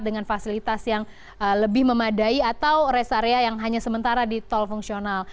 dengan fasilitas yang lebih memadai atau rest area yang hanya sementara di tol fungsional